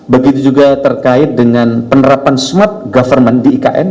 begitu juga terkait dengan penerapan smart government di ikn